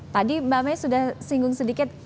tadi mbak may sudah singgung sedikit